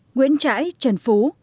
nguyễn trãi trần phú